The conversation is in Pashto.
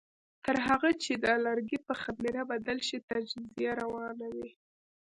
تر هغه چې د لرګي په خمېره بدل شي تجزیه روانه وي.